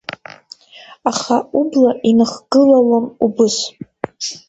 Аха убла иныхгылалон убыс…